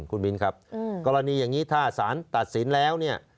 คุณมิ้นครับกรณีอย่างนี้ถ้าสารตัดสินแล้วเนี่ย